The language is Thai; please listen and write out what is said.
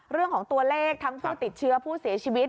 เรื่องของตัวเลขทั้งผู้ติดเชื้อผู้เสียชีวิต